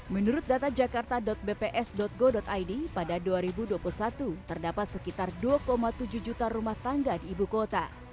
menurut data jakarta bps go id pada dua ribu dua puluh satu terdapat sekitar dua tujuh juta rumah tangga di ibu kota